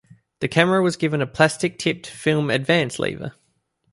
The camera was given a plastic tipped film advance lever.